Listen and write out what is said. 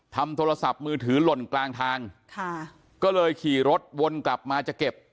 โทรศัพท์มือถือหล่นกลางทางค่ะก็เลยขี่รถวนกลับมาจะเก็บ